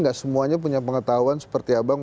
gak semuanya punya pengetahuan seperti abang